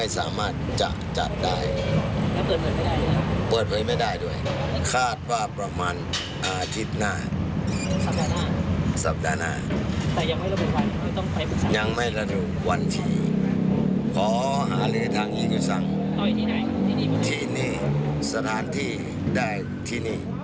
สถานที่ได้ที่นี้